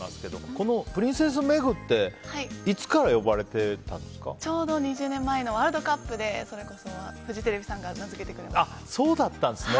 このプリンセス・メグってちょうど２０年前のワールドカップでそれこそフジテレビさんがそうだったんですね。